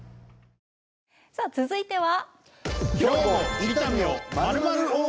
さあ続いては。